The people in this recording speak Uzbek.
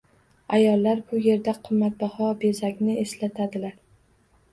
Ayollar bu yerda qimmatbaho bezakni eslatadilar.